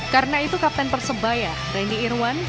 karena itu kapten persebaya randy irwan